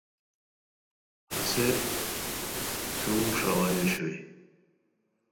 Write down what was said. ہسے شونگ ݰاوائے اوشوئے